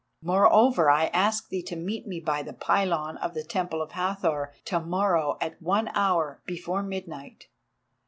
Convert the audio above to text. Moreover I ask thee to meet me by the pylon of the Temple of Hathor to morrow at one hour before midnight.